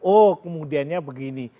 oh kemudiannya begini